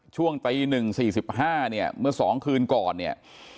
ช่วงตี๑๔๕เนี่ยเมื่อ๒คืนก่อนเนี่ย